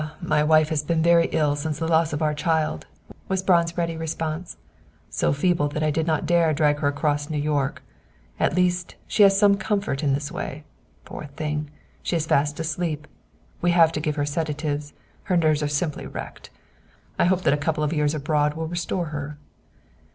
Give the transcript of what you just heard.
My wife has been very ill since the loss of our child," was Braun's ready response. "So feeble that I did not dare to drag her across New York. At least, she has some comfort in this way. Poor thing! She is fast asleep! We have to give her sedatives; her nerves are simply wrecked. I hope that a couple of years abroad will restore her."